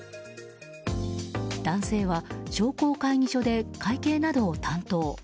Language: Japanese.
男性は、商工会議所で会計などを担当。